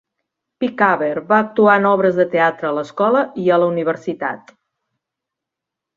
Pickhaver va actuar en obres de teatre a l'escola i a la universitat.